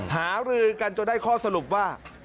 หารือกันจนได้ข้อสรุปว่า